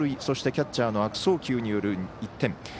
そして、キャッチャーの悪送球による１点。